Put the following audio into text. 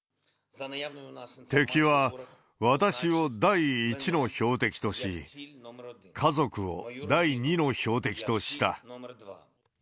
敵は私を第１の標的とし、家族を第２の標的とした。